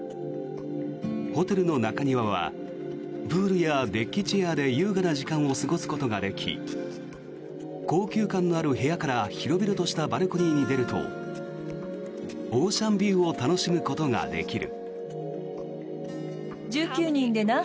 ホテルの中庭はプールやデッキチェアで優雅な時間を過ごすことができ高級感のある部屋から広々としたバルコニーに出るとオーシャンビューを楽しむことができる。